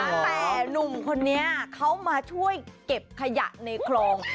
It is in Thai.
แต่หนุ่มคนนี้เขามาช่วยเก็บขยะในคลอง